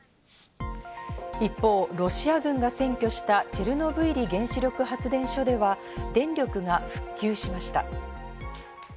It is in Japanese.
一方、ロシア軍が占拠したチェルノブイリ原子力発電所では電力が復旧しました。